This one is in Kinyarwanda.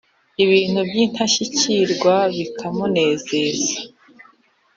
ibintu byintashyikirwa bikamunezeza